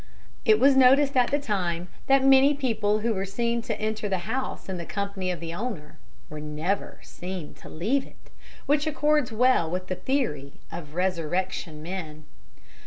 It was noticed at the time that many people who were seen to enter the house in the company of the owner were never seen to leave it, which accords well with the theory of resurrection men.